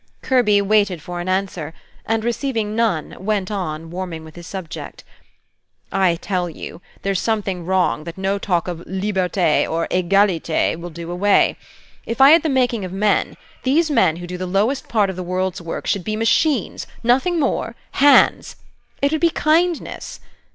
Kirby waited for an answer, and, receiving none, went on, warming with his subject. "I tell you, there's something wrong that no talk of 'Liberte' or 'Egalite' will do away. If I had the making of men, these men who do the lowest part of the world's work should be machines, nothing more, hands. It would be kindness.